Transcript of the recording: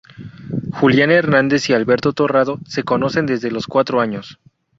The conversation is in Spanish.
Julián Hernández y Alberto Torrado se conocen desde los cuatro años.